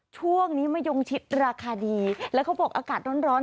ช่วงนี้มะยงชิดราคาดีแล้วเขาบอกอากาศร้อนร้อน